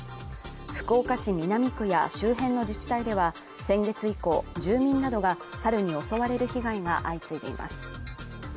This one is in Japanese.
福岡市南区や周辺の自治体では先月以降住民などがサルに襲われる被害が相次いでいます